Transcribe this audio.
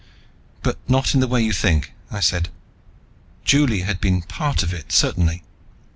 "But not in the way you think," I said. Juli had been part of it, certainly.